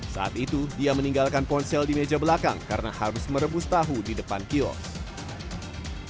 saat itu dia meninggalkan ponsel di meja belakang karena harus merebus tahu di depan kiosk